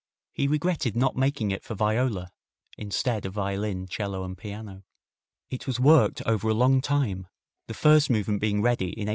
He regretted not making it for viola, instead of violin, 'cello and piano. It was worked over a long time, the first movement being ready in 1833.